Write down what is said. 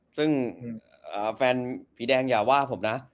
ซึ่งแฟนผีแดงอย่าว่าผมนะ